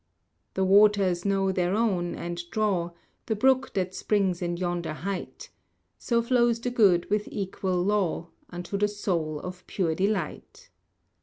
The waters know their own, and draw The brook that springs in yonder height; So flows the good with equal law Unto the soul of pure delight.